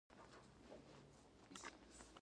په ډيپلوماسی کي ډيپلومات باید د زغم څخه کار واخلي.